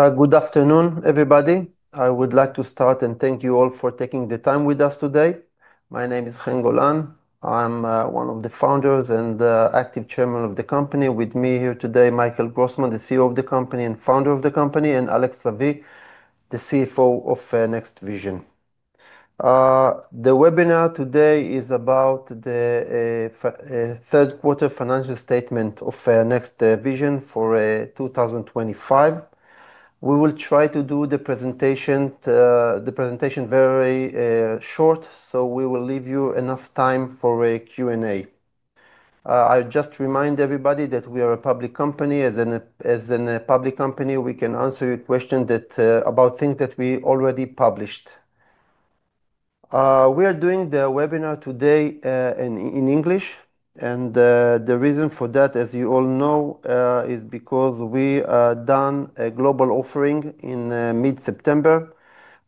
Good afternoon, everybody. I would like to start and thank you all for taking the time with us today. My name is Chen Golan. I'm one of the founders and active chairman of the company. With me here today, Michael Grossman, the CEO of the company and founder of the company, and Alex Lavigne, the CFO of NextVision. The webinar today is about the Third Quarter Financial Statement of NextVision for 2025. We will try to do the presentation very short, so we will leave you enough time for a Q&A. I'll just remind everybody that we are a public company. As a public company, we can answer your questions about things that we already published. We are doing the webinar today in English, and the reason for that, as you all know, is because we have done a global offering in mid-September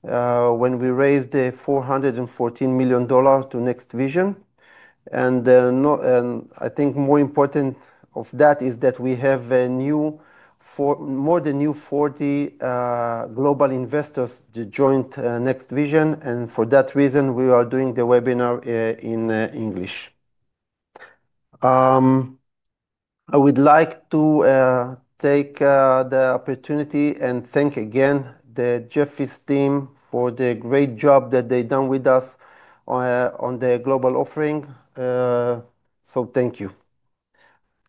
when we raised $414 million to NextVision. I think more important of that is that we have more than 40 global investors to join NextVision, and for that reason, we are doing the webinar in English. I would like to take the opportunity and thank again the Jefferies team for the great job that they've done with us on the global offering. Thank you.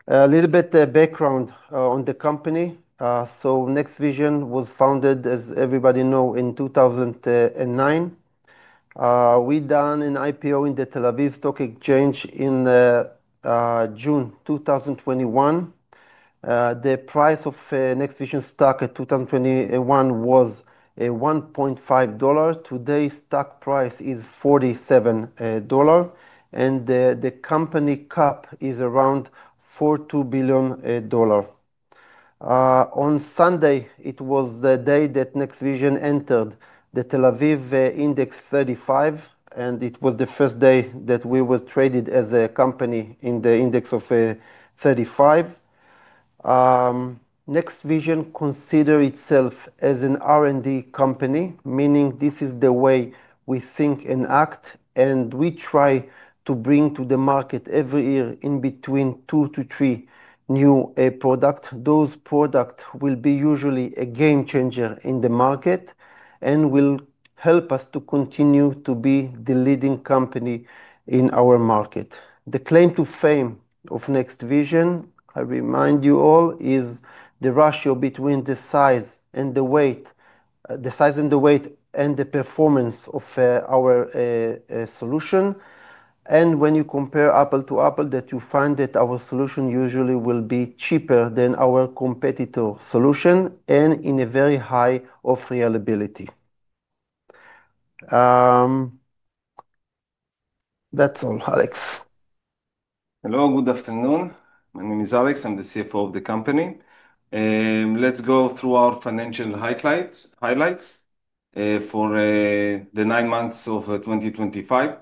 A little bit of background on the company. NextVision was founded, as everybody knows, in 2009. We done an IPO in the Tel Aviv Stock Exchange in June 2021. The price of NextVision stock in 2021 was $1.5. Today's stock price is $47, and the company cap is around $42 billion. On Sunday, it was the day that NextVision entered the Tel Aviv Index 35, and it was the first day that we were traded as a company in the Index of 35. NextVision considers itself as an R&D company, meaning this is the way we think and act, and we try to bring to the market every year in between two to three new products. Those products will be usually a game changer in the market and will help us to continue to be the leading company in our market. The claim to fame of NextVision, I remind you all, is the ratio between the size and the weight, the size and the weight and the performance of our solution. When you compare apple to apple, you find that our solution usually will be cheaper than our competitor's solution and in a very high of reliability. That's all, Alex. Hello, good afternoon. My name is Alex. I'm the CFO of the company. Let's go through our financial highlights for the nine months of 2025.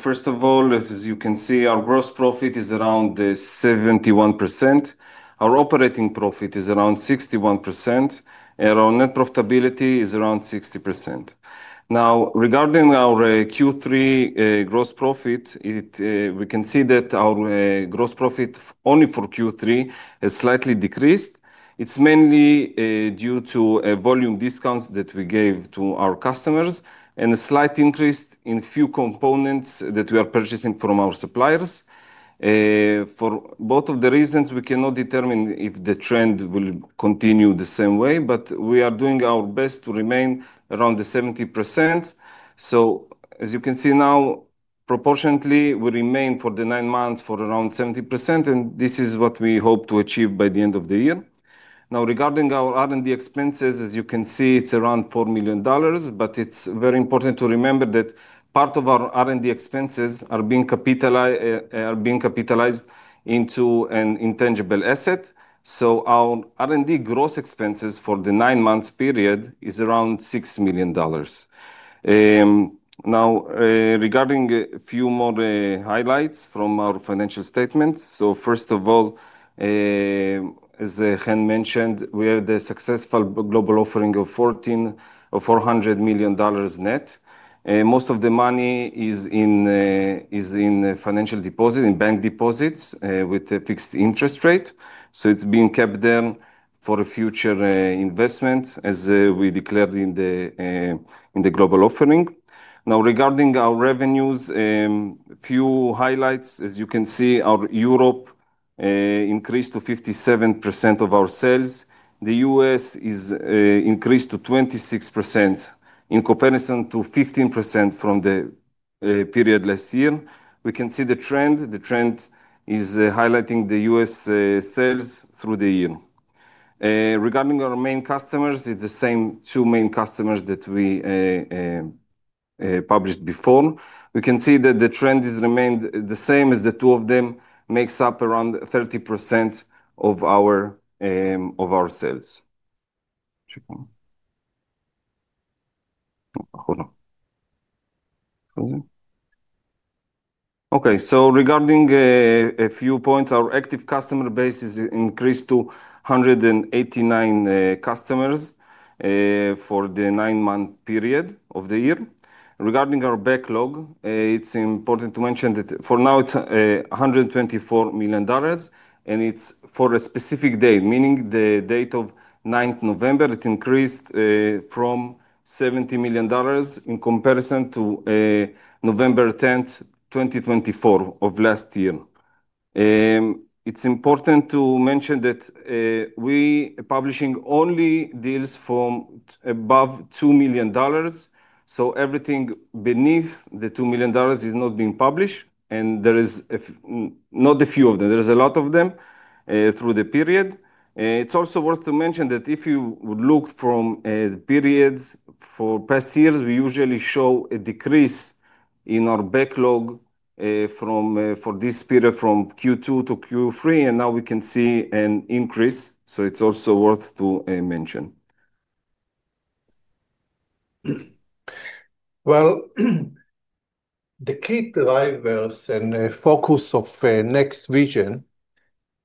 First of all, as you can see, our gross profit is around 71%. Our operating profit is around 61%, and our net profitability is around 60%. Now, regarding our Q3 gross profit, we can see that our gross profit only for Q3 has slightly decreased. It's mainly due to volume discounts that we gave to our customers and a slight increase in few components that we are purchasing from our suppliers. For both of the reasons, we cannot determine if the trend will continue the same way, but we are doing our best to remain around the 70%. As you can see now, proportionately, we remain for the nine months for around 70%, and this is what we hope to achieve by the end of the year. Now, regarding our R&D expenses, as you can see, it's around $4 million, but it's very important to remember that part of our R&D expenses are being capitalized into an intangible asset. Our R&D gross expenses for the nine-month period is around $6 million. Now, regarding a few more highlights from our financial statements. First of all, as Chen mentioned, we have the successful global offering of $400 million net. Most of the money is in financial deposits, in bank deposits with a fixed interest rate. It's being kept there for future investments, as we declared in the global offering. Now, regarding our revenues, a few highlights. As you can see, our Europe increased to 57% of our sales. The U.S. is increased to 26% in comparison to 15% from the period last year. We can see the trend. The trend is highlighting the U.S. sales through the year. Regarding our main customers, it's the same two main customers that we published before. We can see that the trend has remained the same as the two of them, makes up around 30% of our sales. Okay, so regarding a few points, our active customer base has increased to 189 customers for the nine-month period of the year. Regarding our backlog, it's important to mention that for now it's $124 million, and it's for a specific date, meaning the date of 9th November. It increased from $70 million in comparison to November 10th, 2024, of last year. It's important to mention that we are publishing only deals from above $2 million. So everything beneath the $2 million is not being published, and there is not a few of them. There is a lot of them through the period. It's also worth to mention that if you would look from the periods for past years, we usually show a decrease in our backlog for this period from Q2-Q3, and now we can see an increase. So it's also worth to mention. The key drivers and focus of NextVision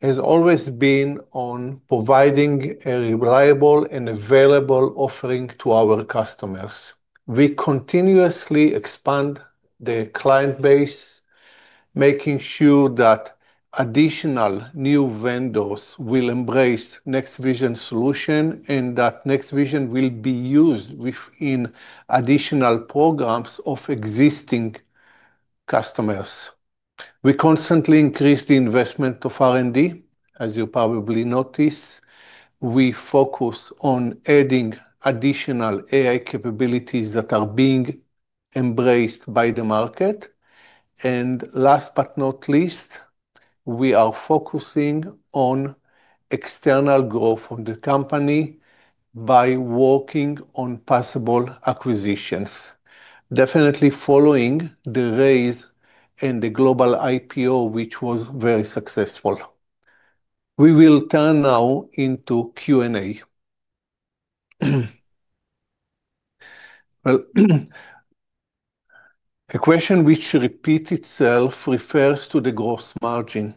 has always been on providing a reliable and available offering to our customers. We continuously expand the client base, making sure that additional new vendors will embrace NextVision solution and that NextVision will be used within additional programs of existing customers. We constantly increase the investment of R&D. As you probably noticed, we focus on adding additional AI capabilities that are being embraced by the market. Last but not least, we are focusing on external growth of the company by working on possible acquisitions, definitely following the raise and the global IPO, which was very successful. We will turn now into Q&A. A question which repeats itself refers to the gross margin.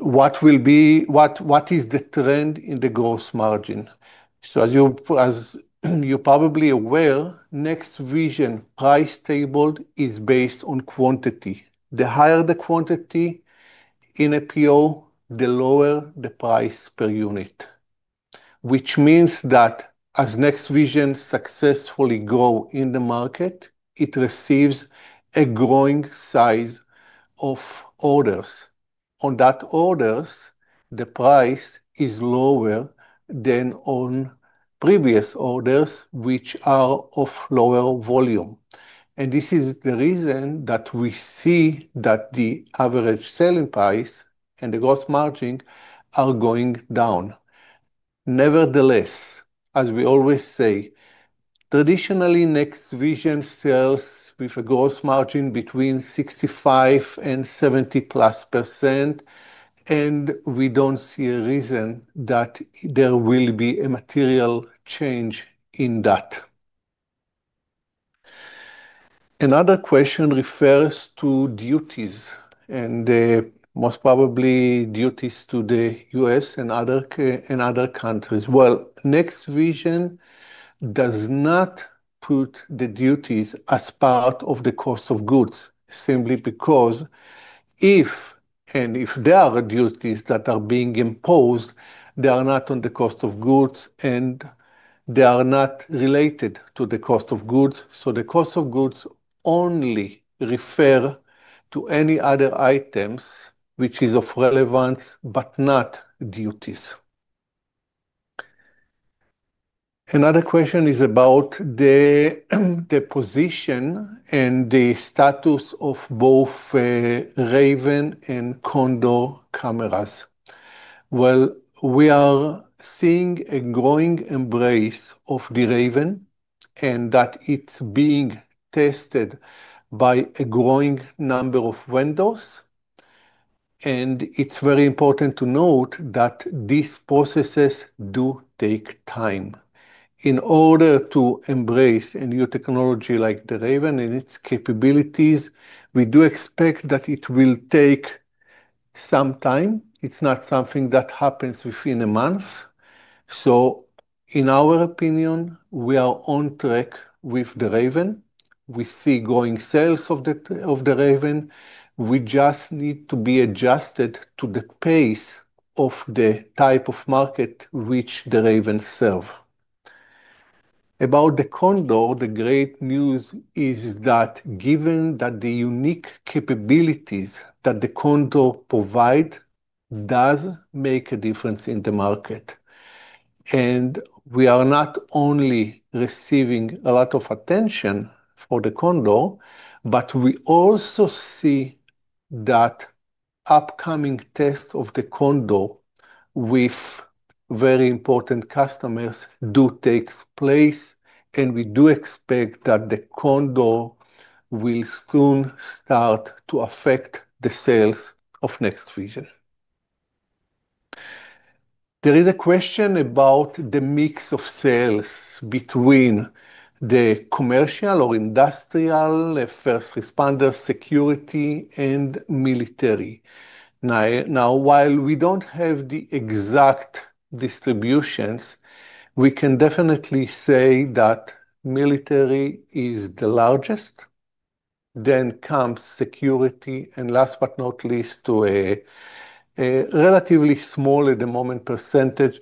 What is the trend in the gross margin? As you're probably aware, NextVision price table is based on quantity. The higher the quantity in a PO, the lower the price per unit, which means that as NextVision successfully grows in the market, it receives a growing size of orders. On that orders, the price is lower than on previous orders, which are of lower volume. This is the reason that we see that the average selling price and the gross margin are going down. Nevertheless, as we always say, traditionally, NextVision sells with a gross margin between 65% and 70% plus, and we do not see a reason that there will be a material change in that. Another question refers to duties, and most probably duties to the U.S. and other countries. NextVision does not put the duties as part of the cost of goods, simply because if there are duties that are being imposed, they are not on the cost of goods, and they are not related to the cost of goods. The cost of goods only refers to any other items which are of relevance but not duties. Another question is about the position and the status of both Raven and Condor cameras. We are seeing a growing embrace of the Raven and that it's being tested by a growing number of vendors. It is very important to note that these processes do take time. In order to embrace a new technology like the Raven and its capabilities, we do expect that it will take some time. It's not something that happens within a month. In our opinion, we are on track with the Raven. We see growing sales of the Raven. We just need to be adjusted to the pace of the type of market which the Raven serves. About the Condor, the great news is that given that the unique capabilities that the Condor provides do make a difference in the market. We are not only receiving a lot of attention for the Condor, but we also see that upcoming tests of the Condor with very important customers do take place, and we do expect that the Condor will soon start to affect the sales of NextVision. There is a question about the mix of sales between the commercial or industrial, first responders, security, and military. Now, while we do not have the exact distributions, we can definitely say that military is the largest, then comes security, and last but not least, to a relatively small at the moment percentage,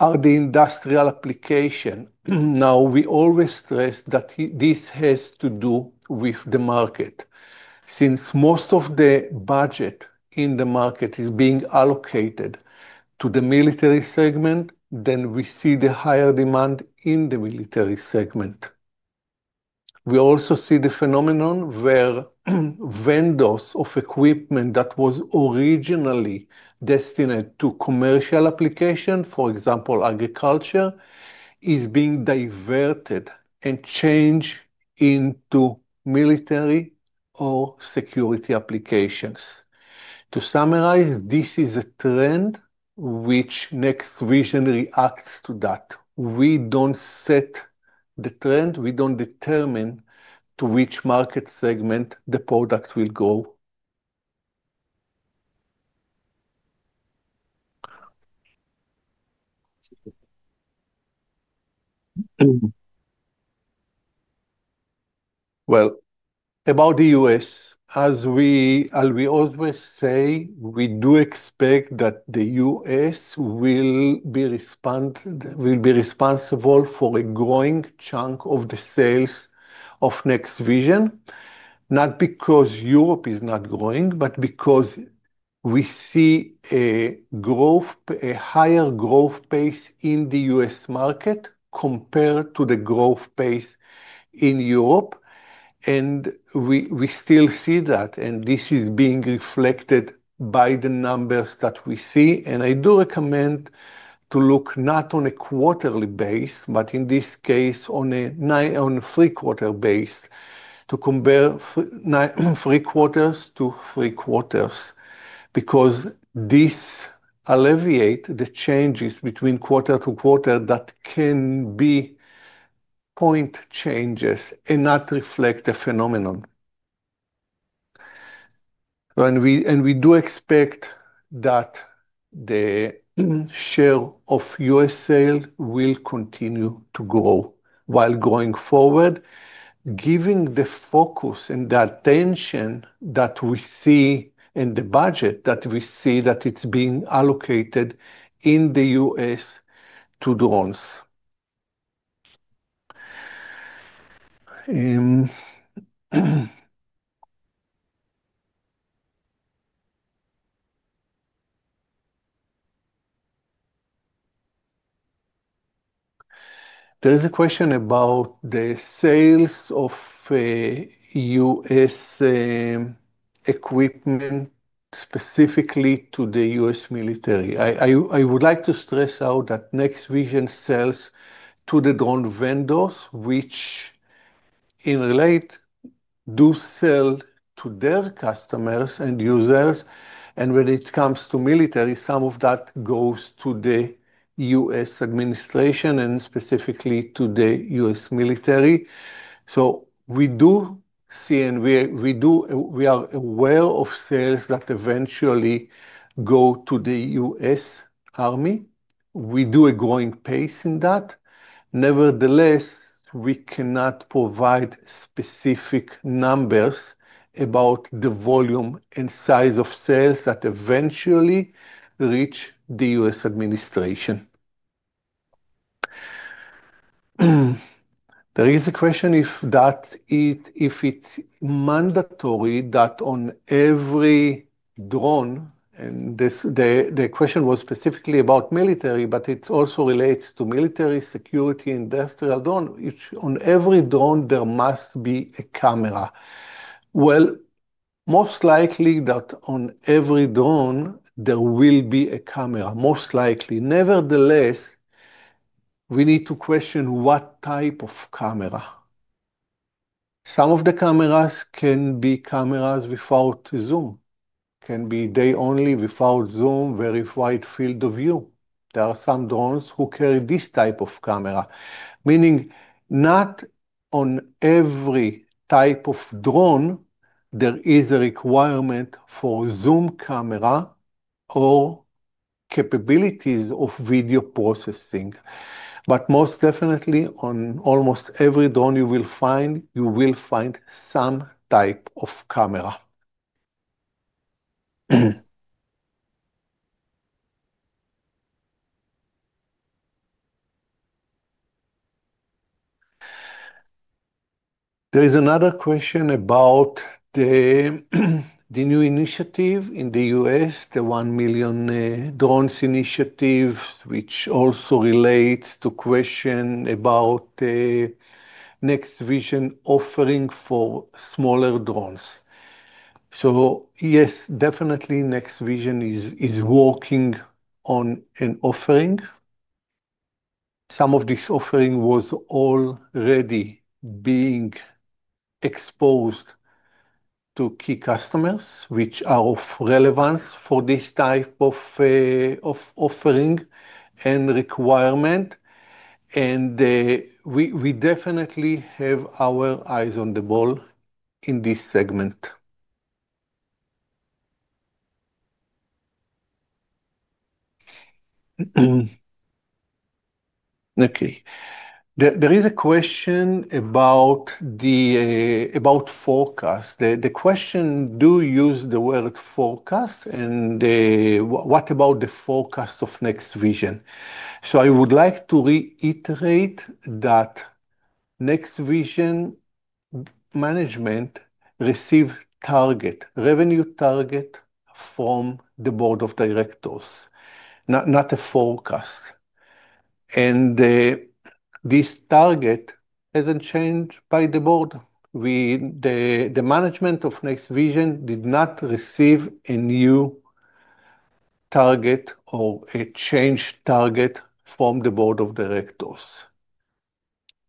are the industrial application. Now, we always stress that this has to do with the market. Since most of the budget in the market is being allocated to the military segment, we see the higher demand in the military segment. We also see the phenomenon where vendors of equipment that was originally destined to commercial application, for example, agriculture, is being diverted and changed into military or security applications. To summarize, this is a trend which NextVision reacts to. We do not set the trend. We do not determine to which market segment the product will go. About the U.S., as we always say, we do expect that the U.S. will be responsible for a growing chunk of the sales of NextVision, not because Europe is not growing, but because we see a higher growth pace in the U.S. market compared to the growth pace in Europe. We still see that, and this is being reflected by the numbers that we see. I do recommend to look not on a quarterly base, but in this case, on a three-quarter base, to compare three quarters to three quarters, because this alleviates the changes between quarter to quarter that can be point changes and not reflect the phenomenon. We do expect that the share of U.S. sales will continue to grow going forward, given the focus and the attention that we see and the budget that we see that is being allocated in the U.S. to drones. There is a question about the sales of U.S. equipment specifically to the U.S. military. I would like to stress that NextVision sells to the drone vendors, which in turn do sell to their customers and users. When it comes to military, some of that goes to the U.S. administration and specifically to the U.S. military. We do see and we are aware of sales that eventually go to the U.S. Army. We do see a growing pace in that. Nevertheless, we cannot provide specific numbers about the volume and size of sales that eventually reach the U.S. administration. There is a question if it's mandatory that on every drone, and the question was specifically about military, but it also relates to military, security, industrial drone, which on every drone there must be a camera. Most likely that on every drone there will be a camera, most likely. Nevertheless, we need to question what type of camera. Some of the cameras can be cameras without zoom, can be day only without zoom, very wide field of view. There are some drones who carry this type of camera, meaning not on every type of drone there is a requirement for zoom camera or capabilities of video processing. Most definitely, on almost every drone you will find, you will find some type of camera. There is another question about the new initiative in the U.S., the 1 million drones initiative, which also relates to questions about NextVision offering for smaller drones. Yes, definitely NextVision is working on an offering. Some of this offering was already being exposed to key customers, which are of relevance for this type of offering and requirement. We definitely have our eyes on the ball in this segment. There is a question about forecast. The question does use the word forecast, and what about the forecast of NextVision? I would like to reiterate that NextVision management receives target revenue target from the board of directors, not a forecast. This target has not changed by the board. The management of NextVision did not receive a new target or a changed target from the board of directors.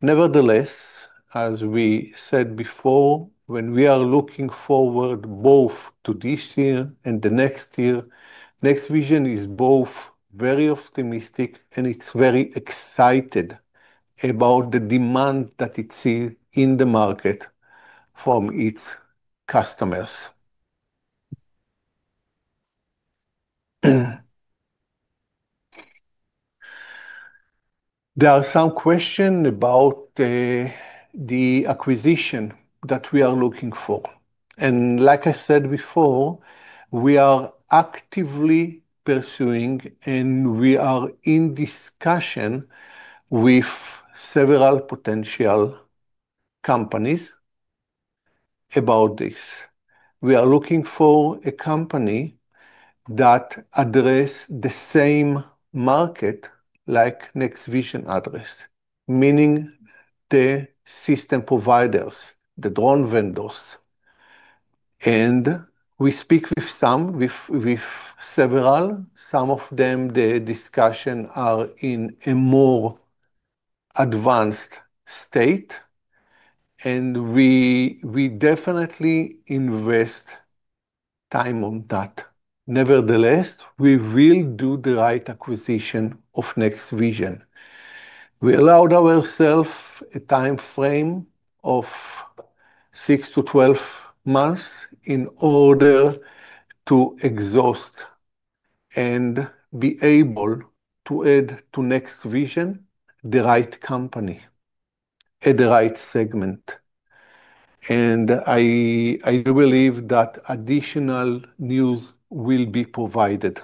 Nevertheless, as we said before, when we are looking forward both to this year and the next year, NextVision is both very optimistic and it's very excited about the demand that it sees in the market from its customers. There are some questions about the acquisition that we are looking for. Like I said before, we are actively pursuing and we are in discussion with several potential companies about this. We are looking for a company that addresses the same market like NextVision addresses, meaning the system providers, the drone vendors. We speak with several. Some of them, the discussions are in a more advanced state. We definitely invest time on that. Nevertheless, we will do the right acquisition of NextVision. We allowed ourselves a time frame of 6-12 months in order to exhaust and be able to add to NextVision the right company at the right segment. I believe that additional news will be provided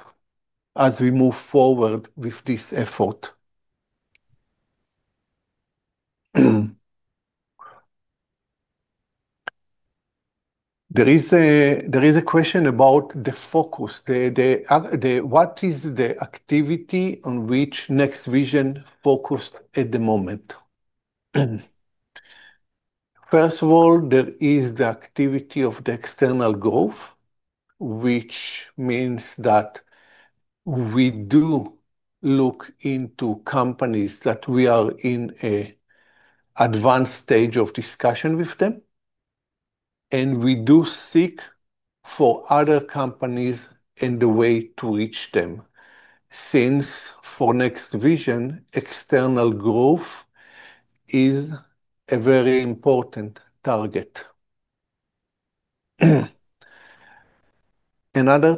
as we move forward with this effort. There is a question about the focus. What is the activity on which NextVision focused at the moment? First of all, there is the activity of the external growth, which means that we do look into companies that we are in an advanced stage of discussion with them. We do seek for other companies and the way to reach them, since for NextVision, external growth is a very important target. Another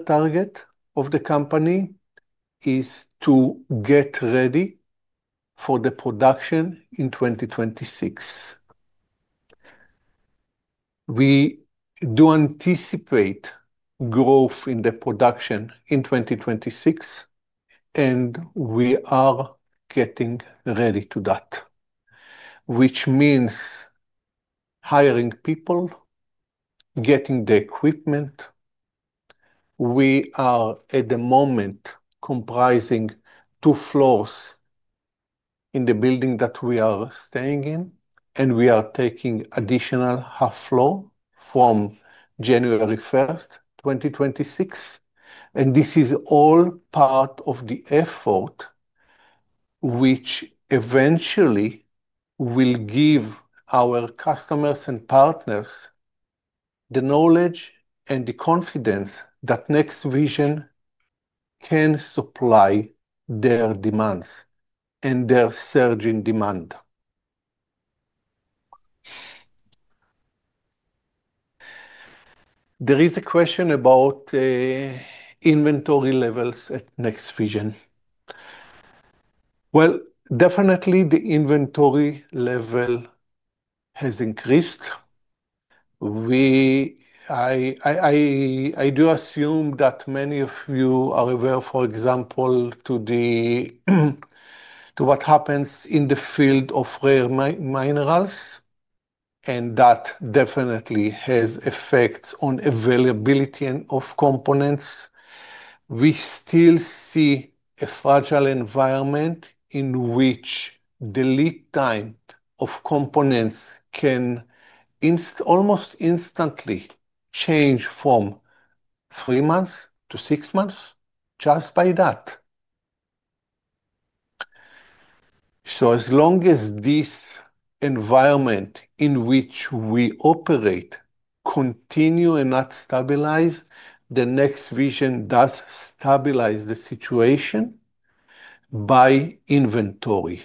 target of the company is to get ready for the production in 2026. We do anticipate growth in the production in 2026, and we are getting ready to that, which means hiring people, getting the equipment. We are at the moment comprising two floors in the building that we are staying in, and we are taking additional half floor from January 1, 2026. This is all part of the effort, which eventually will give our customers and partners the knowledge and the confidence that NextVision can supply their demands and their surging demand. There is a question about inventory levels at NextVision. Definitely the inventory level has increased. I do assume that many of you are aware, for example, to what happens in the field of rare minerals, and that definitely has effects on availability of components. We still see a fragile environment in which the lead time of components can almost instantly change from three months to six months just by that. As long as this environment in which we operate continues and does not stabilize, NextVision does stabilize the situation by inventory.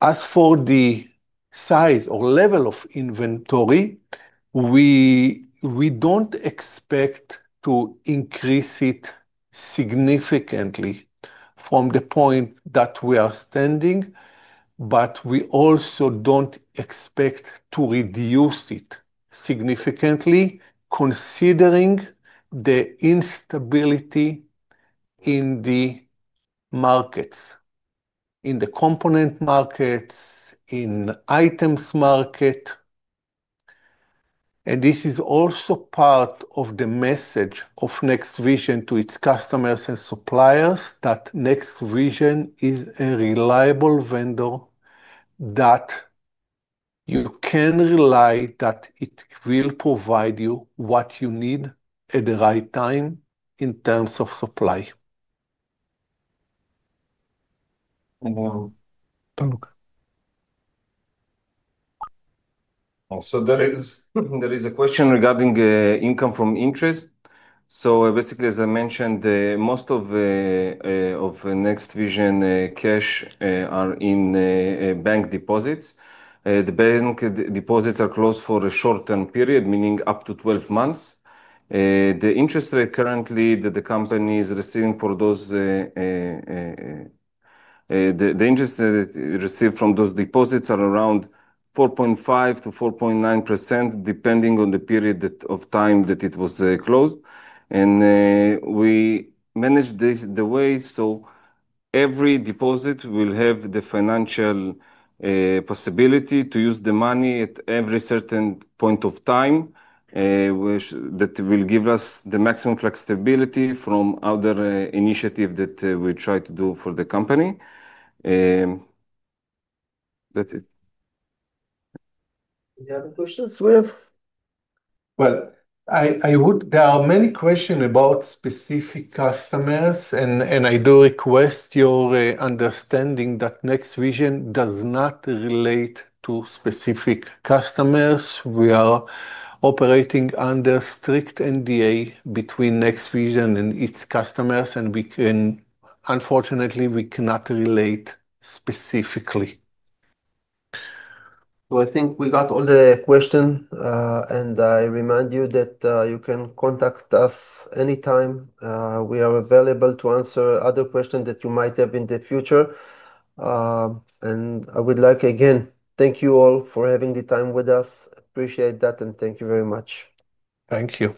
As for the size or level of inventory, we do not expect to increase it significantly from the point that we are standing, but we also do not expect to reduce it significantly, considering the instability in the markets, in the component markets, in the items market. This is also part of the message of NextVision to its customers and suppliers, that NextVision is a reliable vendor that you can rely on, that it will provide you what you need at the right time in terms of supply. There is a question regarding income from interest. Basically, as I mentioned, most of NextVision cash are in bank deposits. The bank deposits are closed for a short-term period, meaning up to 12 months. The interest rate currently that the company is receiving for those, the interest that it received from those deposits is around 4.5%-4.9%, depending on the period of time that it was closed. We manage this the way so every deposit will have the financial possibility to use the money at every certain point of time that will give us the maximum flexibility from other initiatives that we try to do for the company. That's it. Any other questions we have? There are many questions about specific customers, and I do request your understanding that NextVision does not relate to specific customers. We are operating under strict NDA between NextVision and its customers, and unfortunately, we cannot relate specifically. I think we got all the questions, and I remind you that you can contact us anytime. We are available to answer other questions that you might have in the future. I would like, again, thank you all for having the time with us. Appreciate that, and thank you very much. Thank you.